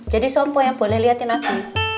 jadi sopo ya boleh liatin abi